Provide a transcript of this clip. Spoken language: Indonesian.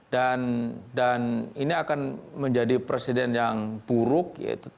dan ini akan menjadi presiden yang buruk